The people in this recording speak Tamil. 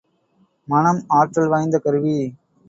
மனம் ஆற்றல் வாய்ந்த கருவி.